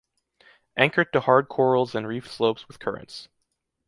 Anchored to hard corals and reef slopes with currents.